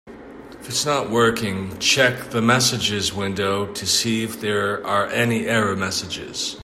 If it's not working, check the messages window to see if there are any error messages.